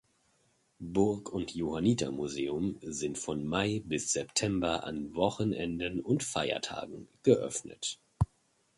Burg- und Johanniter-Museum sind von Mai bis September an Wochenenden und Feiertagen geöffnet.